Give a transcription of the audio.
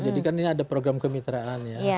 jadi kan ini ada program kemitraan